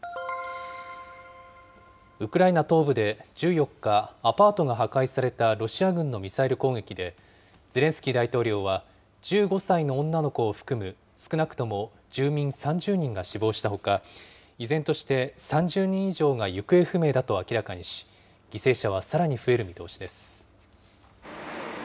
ウクライナ東部で１４日、アパートが破壊されたロシア軍のミサイル攻撃で、ゼレンスキー大統領は１５歳の女の子を含む少なくとも住民３０人が死亡したほか、依然として３０人以上が行方不明だと明らかにし、犠牲者はさらに増える見通しです。